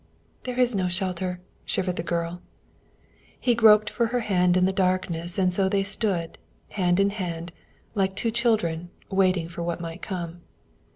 "There is no shelter," shivered the girl. He groped for her hand in the darkness, and so they stood, hand in hand, like two children, waiting for what might come.